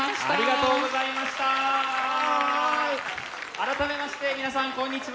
改めまして皆さんこんにちは！